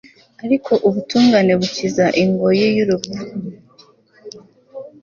ariko ubutungane bukiza ingoyi y'urupfu